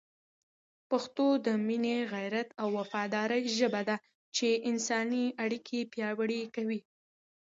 پښتو د مینې، غیرت او وفادارۍ ژبه ده چي انساني اړیکي پیاوړې کوي.